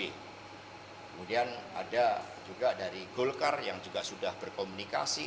kemudian ada juga dari golkar yang juga sudah berkomunikasi